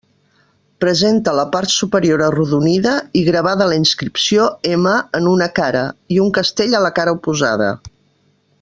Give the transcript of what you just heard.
Presenta la part superior arrodonida i gravada la inscripció M, en una cara, i un castell a la cara oposada.